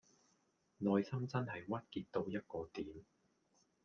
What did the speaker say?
內心真係鬱結到一個點